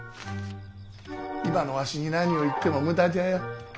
今のわしに何を言っても無駄じゃよ。